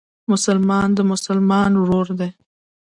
مسلمان د مسلمان ورور دئ.